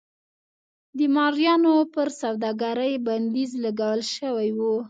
د مریانو پر سوداګرۍ بندیز لګول شوی و.